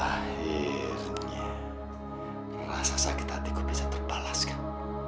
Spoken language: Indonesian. akhirnya rasa sakit hatiku bisa terbalaskan